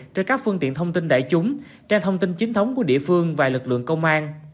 trên các phương tiện thông tin đại chúng trang thông tin chính thống của địa phương và lực lượng công an